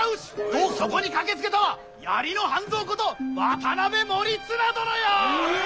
とそこに駆けつけたは槍の半蔵こと渡辺守綱殿よ！うお！